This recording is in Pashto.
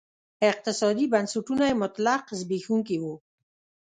اقتصادي بنسټونه یې مطلق زبېښونکي وو.